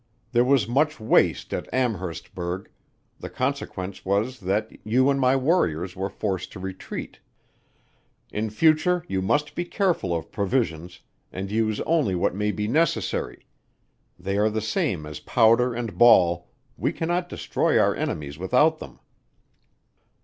There was much waste at Amherstberg the consequence was that you and my warriors were forced to retreat. In future you must be careful of provisions, and use only what may be necessary; they are the same as powder and ball, we cannot destroy our enemies without them.